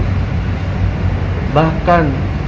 bukan malah memperkeruh atau memperuncing